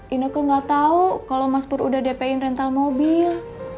ineke gak tau kalo mas pur udah dp in rental mobil